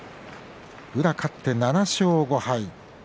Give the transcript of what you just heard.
宇良が勝って７勝５敗。